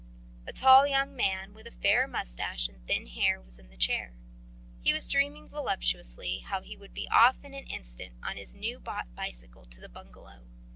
A tall young man with a fair moustache and thin hair was in the chair. He was dreaming voluptuously how he would be off in an instant on his new bought bicycle to the bungalow.